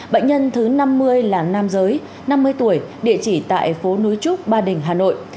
bệnh nhân thứ năm mươi là nam giới năm mươi tuổi địa chỉ tại phố núi trúc ba đình hà nội